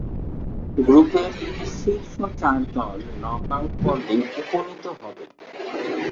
গ্রুপের শীর্ষ চার দল নক-আউট পর্বে উপনীত হবে।